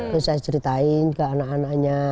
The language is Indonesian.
terus saya ceritain ke anak anaknya